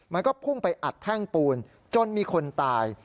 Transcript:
มันก็พุ่งไปอัดแท่งปูนจนมีคนตาย